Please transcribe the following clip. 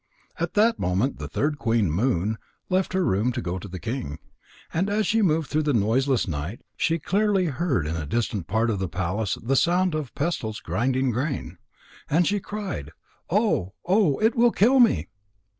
At that moment the third queen, Moon, left her room to go to the king. And as she moved through the noiseless night, she clearly heard in a distant part of the palace the sound of pestles grinding grain. And she cried: "Oh, oh! It will kill me!"